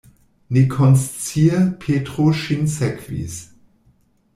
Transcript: Nekonscie Petro ŝin sekvis.